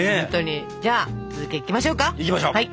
じゃあ続きいきましょうか。